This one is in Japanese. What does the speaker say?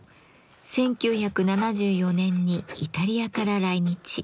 １９７４年にイタリアから来日。